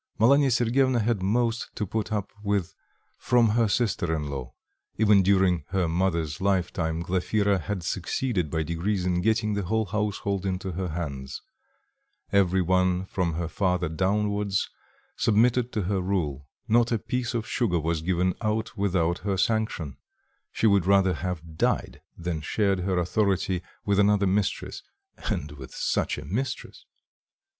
Malanya Sergyevna had most to put up with from her sister in law. Even during her mother's lifetime, Glafira had succeeded by degrees in getting the whole household into her hands; every one from her father downwards, submitted to her rule; not a piece of sugar was given out without her sanction; she would rather have died than shared her authority with another mistress and with such a mistress!